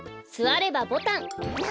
すわればボタン。